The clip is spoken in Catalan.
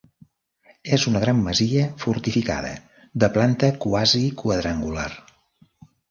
És una gran masia fortificada de planta quasi quadrangular.